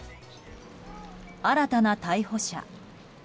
新たな逮捕者。